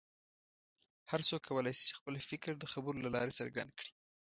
هر څوک کولی شي چې خپل فکر د خبرو له لارې څرګند کړي.